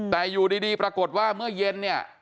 แต่อยู่ดีปรากฏว่าเมื่อเย็นเนี่ย